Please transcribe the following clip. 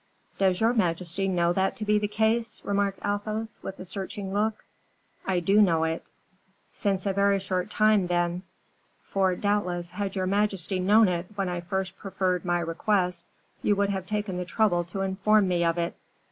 "Does your majesty know that to be the case?" remarked Athos, with a searching look. "I do know it." "Since a very short time, then; for doubtless, had your majesty known it when I first preferred my request, you would have taken the trouble to inform me of it."